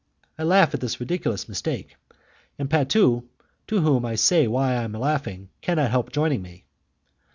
I laugh at this ridiculous mistake, and Patu, to whom I say why I am laughing, cannot help joining me.